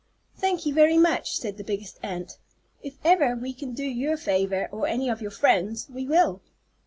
"Thank you very much," said the biggest ant. "If ever we can do you a favor, or any of your friends, we will."